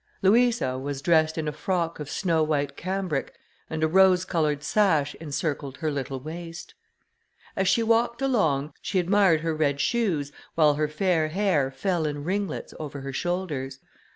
Louisa was dressed in a frock of snow white cambric, and a rose coloured sash encircled her little waist. As she walked along, she admired her red shoes, while her fair hair fell in ringlets over her shoulders.